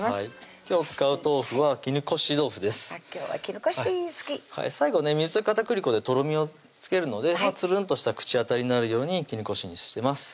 今日は絹こし好き最後ね水溶き片栗粉でとろみをつけるのでつるんとした口当たりになるように絹こしにしてます